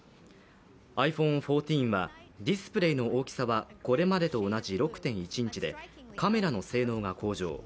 ｉＰｈｏｎｅ１４は、ディスプレーの大きさはこれまでと同じ６．１インチでカメラの性能が向上。